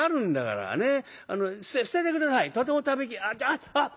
あっあっ！